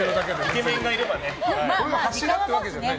イケメンがいればね。